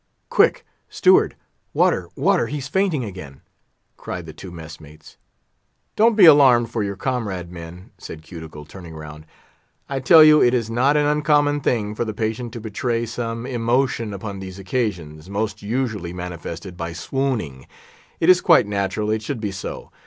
"Quick, Steward! water, water; he's fainting again!" cried the two mess mates. "Don't be alarmed for your comrade; men," said Cuticle, turning round. "I tell you it is not an uncommon thing for the patient to betray some emotion upon these occasions—most usually manifested by swooning; it is quite natural it should be so.